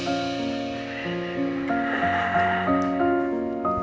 saya panggil kasih kalimantan